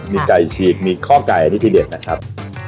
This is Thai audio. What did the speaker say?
มีไก่ฉีกมีข้อไก่อันนี้ทีเด็ดนะครับ